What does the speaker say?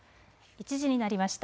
１時になりました。